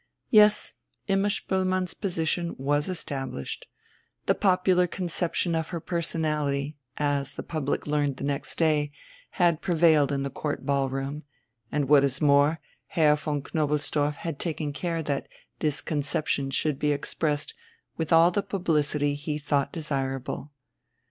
Yes, Imma Spoelmann's position was established; the popular conception of her personality as the public learned next day had prevailed in the Court ballroom, and, what is more, Herr von Knobelsdorff had taken care that this conception should be expressed with all the publicity he thought desirable.